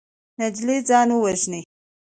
نجلۍ ځان وژني.